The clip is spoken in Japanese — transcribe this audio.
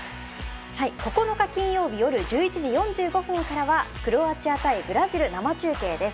９日、金曜日夜１１時４５分からはクロアチア対ブラジル生中継です。